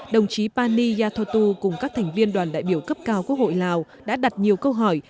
đồng chí pani yathotu cùng các thành viên đoàn đại biểu cấp cao quốc hội lào đã đặt nhiều câu hỏi